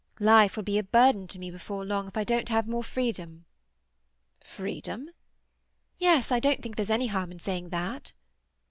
Life will be a burden to me before long if I don't have more freedom." "Freedom?" "Yes, I don't think there's any harm in saying that."